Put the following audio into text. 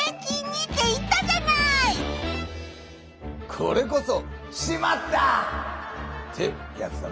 これこそ「しまった！」ってやつだな。